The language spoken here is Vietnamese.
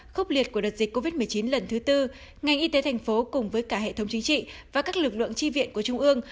khốc liệt của đợt dịch covid một mươi chín lần thứ tư ngành y tế thành phố cùng với cả hệ thống chính trị và các lực lượng tri viện của trung ương